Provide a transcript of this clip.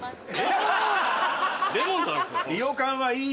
レモンだろそれ。